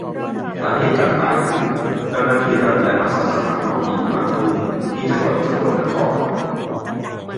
สาเหตุการตายคือ เจ้าหน้าที่รัฐและอาสาสมัครล้อมยิงกลางทุ่ง ที่จังหวัดสกลนคร